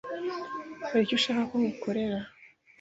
Hari icyo ushaka ko ngukorera?